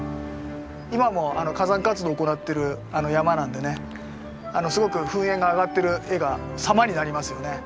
今も火山活動行ってる山なんでねすごく噴煙が上がってる画が様になりますよね。